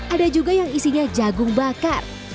ada juga yang isinya jagung bakar